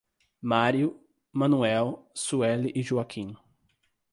Mário, Manuel. Sueli e Joaquim